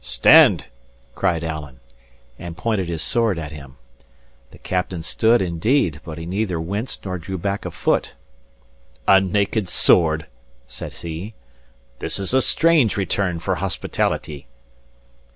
"Stand!" cried Alan, and pointed his sword at him. The captain stood, indeed; but he neither winced nor drew back a foot. "A naked sword?" says he. "This is a strange return for hospitality."